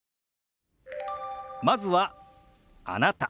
まずは「あなた」。